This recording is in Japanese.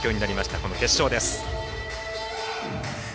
この決勝です。